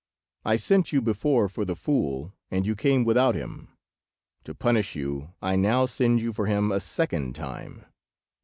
I sent you before for the fool, and you came without him. To punish you I now send you for him a second time.